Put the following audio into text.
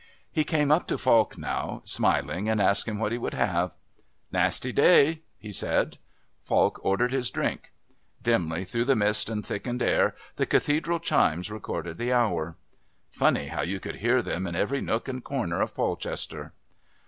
He came up to Falk now, smiling, and asked him what he would have. "Nasty day," he said. Falk ordered his drink. Dimly through the mist and thickened air the Cathedral chimes recorded the hour. Funny how you could hear them in every nook and corner of Polchester.